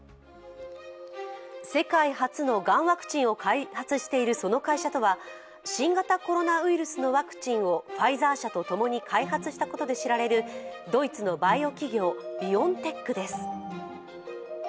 世界初のがんワクチンを開発しているその会社とは新型コロナウイルスのワクチンをファイザー社とともに開発したことで知られるドイツのバイオ企業ビオンテックです。